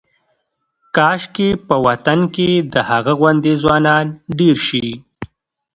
کاشکې په وطن کې د هغه غوندې ځوانان ډېر شي.